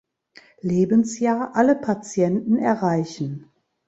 Lebensjahr alle Patienten erreichen.